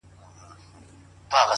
• خدای وو ښکلی پیدا کړی سر تر نوکه ,